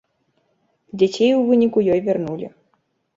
Дзяцей у выніку ёй вярнулі.